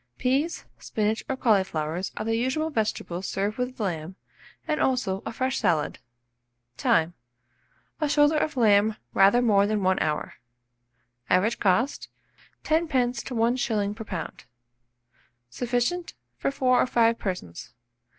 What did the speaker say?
Peas, spinach, or cauliflowers are the usual vegetables served with lamb, and also a fresh salad. Time. A shoulder of lamb rather more than 1 hour. Average cost, 10s. to 1s. per lb. Sufficient for 4 or 5 persons.